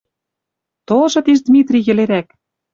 Толжы тиш Димитрий йӹлерӓк.